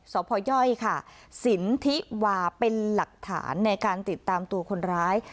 พยค่ะสินทิวาเป็นหลักฐานในการติดตามตัวคนร้าย